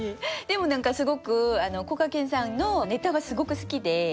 でも何かすごくこがけんさんのネタがすごく好きで。